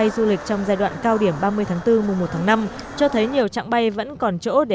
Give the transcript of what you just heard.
du lịch trong giai đoạn cao điểm ba mươi tháng bốn mùa một tháng năm cho thấy nhiều trạng bay vẫn còn chỗ để